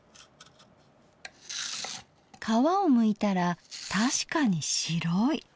皮をむいたら確かに白い。